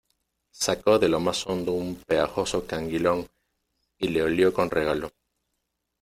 sacó de lo más hondo un pegajoso cangilón, y le olió con regalo: